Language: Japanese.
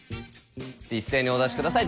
一斉にお出し下さい。